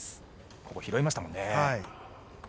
ここ、拾いましたもんね。